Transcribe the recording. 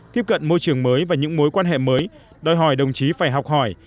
tiếp cận môi trường mới và những mối quan hệ mới đòi hỏi đồng chí phải học hỏi